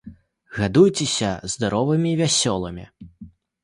Гадуйцеся здаровымі і вясёлымі!